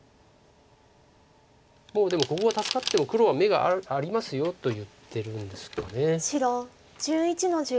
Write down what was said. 「もうでもここが助かっても黒は眼がありますよ」と言ってるんですか。